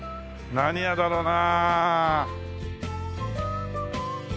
何屋だろうな。